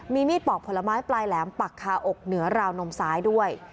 มีมีดปอกผลไม้ปลายแหลมปักคาอกเหนือราวนมซ้ายด้วย